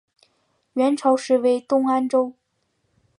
元朝时为东安州。